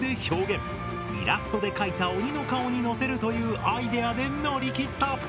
イラストで描いた鬼の顔にのせるというアイデアで乗り切った。